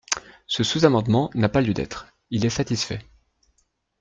Ce sous-amendement n’a pas lieu d’être, il est satisfait.